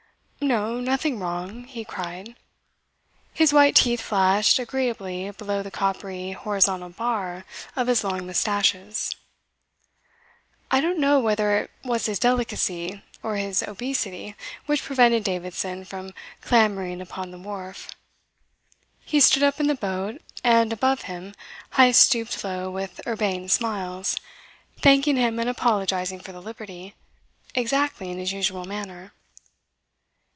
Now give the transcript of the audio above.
"No, nothing wrong," he cried. His white teeth flashed agreeably below the coppery horizontal bar of his long moustaches. I don't know whether it was his delicacy or his obesity which prevented Davidson from clambering upon the wharf. He stood up in the boat, and, above him, Heyst stooped low with urbane smiles, thanking him and apologizing for the liberty, exactly in his usual manner.